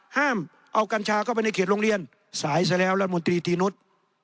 ห้ามเอากัญชาเข้าไปในเขตโรงเรียนสายซะแล้วรัฐมนตรีตีนุษย์